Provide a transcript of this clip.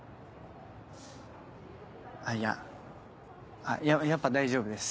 あっいややっぱ大丈夫です。